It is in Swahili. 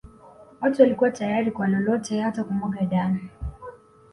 Watu walikuwa tayari kwa lolote hata kumwaga damu